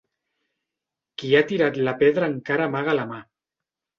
Qui ha tirat la pedra encara amaga la mà.